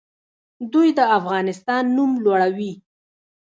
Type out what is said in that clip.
دوی د افغانستان نوم لوړوي.